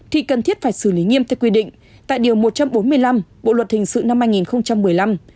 thì cần thiết phải xử lý nghiêm theo quy định tại điều một trăm bốn mươi năm bộ luật hình sự năm hai nghìn một mươi năm